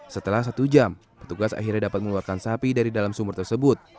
setelah satu jam petugas akhirnya dapat mengeluarkan sapi dari dalam sumur tersebut